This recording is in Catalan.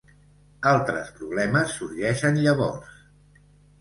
Altres problemes sorgeixen llavors.